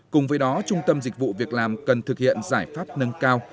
cùng với đó trung tâm dịch vụ việc làm cần thực hiện giải pháp nâng cao